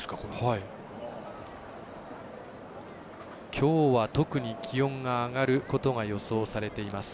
きょうは特に気温が上がることが予想されています。